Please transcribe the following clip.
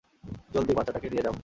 জলদি, বাচ্চাটাকে নিয়ে যাও।